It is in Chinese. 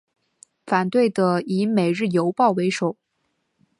反对的以每日邮报为首。